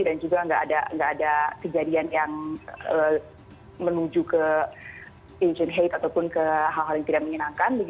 dan juga nggak ada kejadian yang menuju ke asian hate ataupun ke hal hal yang tidak menyenangkan